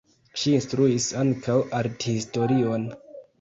Ŝi instruis ankaŭ arthistorion.